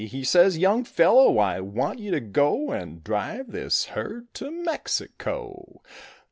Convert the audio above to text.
He says, "Young fellow, I want you to go And drive this herd to Mexico."